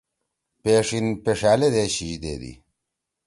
پیݜیِن پݜألے دے شیِش دیدی۔